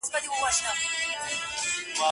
پر هېزګاره وو سایه د پاک سبحان وو